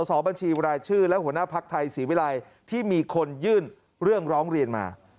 สอบบัญชีรายชื่อและหัวหน้าภักดิ์ไทยศรีวิรัยที่มีคนยื่นเรื่องร้องเรียนมา